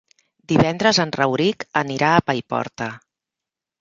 Divendres en Rauric anirà a Paiporta.